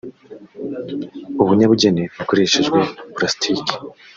abanyabugeni bukoreshejwe pulasitiki